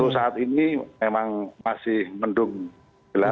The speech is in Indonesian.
saat ini memang masih mendung jelas